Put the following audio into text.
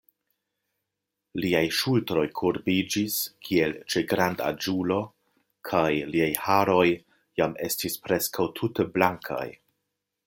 Liaj ŝultroj kurbiĝis, kiel ĉe grandaĝulo, kaj liaj haroj jam estis preskaŭ tute blankaj.